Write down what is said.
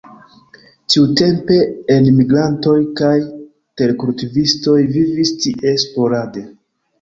Tiutempe enmigrantoj kaj terkultivistoj vivis tie sporade.